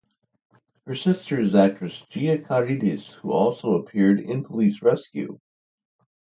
Her sister is actress Gia Carides who also appeared in Police Rescue.